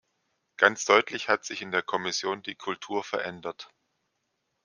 Ganz deutlich hat sich in der Kommission die Kultur verändert.